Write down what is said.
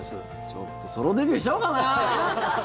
ちょっとソロデビューしちゃおうかな！？